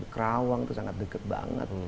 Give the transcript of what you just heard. kerawang itu sangat dekat banget